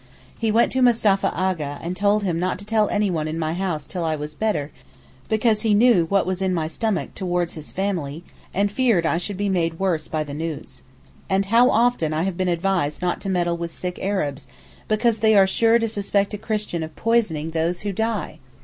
He went to Mustapha A'gha, and told him not to tell anyone in my house till I was better, because he knew 'what was in my stomach towards his family,' and feared I should be made worse by the news. And how often I have been advised not to meddle with sick Arabs, because they are sure to suspect a Christian of poisoning those who die!